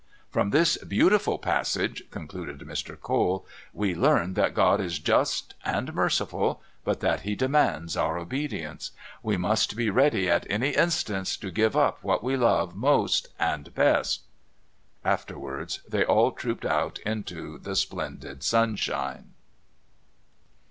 "From this beautiful passage," concluded Mr. Cole, "we learn that God is just and merciful, but that He demands our obedience. We must be ready at any instant to give up what we love most and best...." Afterwards they all trooped out into the splendid sunshine.